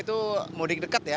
itu mudik dekat ya